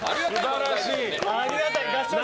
ありがたい。